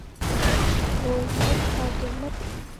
Thôi chết tao quên mất